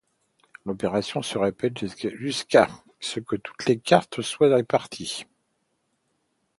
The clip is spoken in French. L'opération se répète jusqu'à ce que toutes les cartes soient réparties.